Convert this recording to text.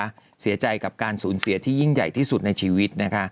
เสียใจกับการสูญเสียที่ยิ่งใหญ่ที่สุดในชีวิตนะคะ